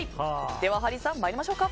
では、ハリーさん参りましょうか。